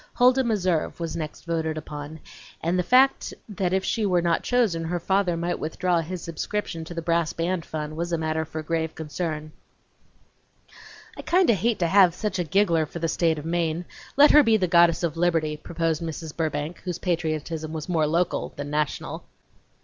Huldah Meserve was next voted upon, and the fact that if she were not chosen her father might withdraw his subscription to the brass band fund was a matter for grave consideration. "I kind o' hate to have such a giggler for the State of Maine; let her be the Goddess of Liberty," proposed Mrs. Burbank, whose patriotism was more local than national.